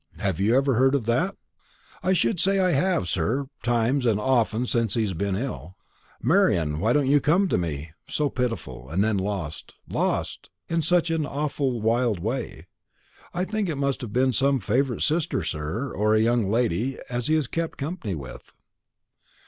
Have you ever heard that?" "I should say I have, sir, times and often since he's been ill. 'Marian, why don't you come to me?' so pitiful; and then, 'Lost, lost!' in such a awful wild way. I think it must be some favourite sister, sir, or a young lady as he has kep' company with."